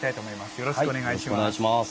よろしくお願いします。